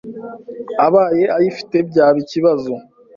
abaye ayifite byaba ikibazo